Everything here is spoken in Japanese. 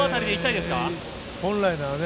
本来ならね